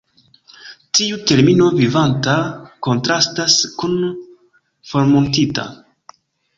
Tiu termino "vivanta" kontrastas kun "formortinta".